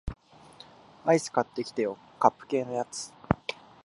アイス買ってきてよ、カップ系のやつ